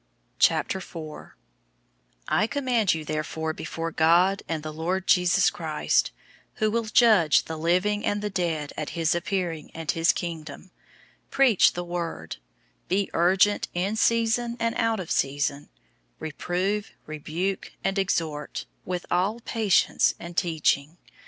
004:001 I charge you therefore before God and the Lord Jesus Christ, who will judge the living and the dead at his appearing and his Kingdom: 004:002 preach the word; be urgent in season and out of season; reprove, rebuke, and exhort, with all patience and teaching.